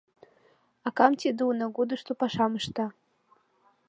Акам тиде унагудышто пашам ышта.